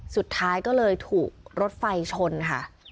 สุดท้ายก็เลยถูกรถไฟชนค่ะ